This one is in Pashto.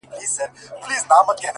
قاضي صاحبه ملامت نه یم. بچي وږي وه.